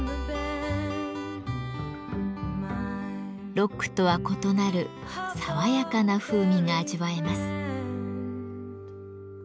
ロックとは異なる爽やかな風味が味わえます。